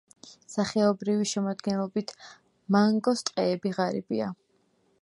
სახეობრივი შემადგენლობით მანგროს ტყეები ღარიბია.